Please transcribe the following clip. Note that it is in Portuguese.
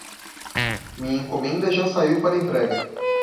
Minha encomenda já saiu para a entrega.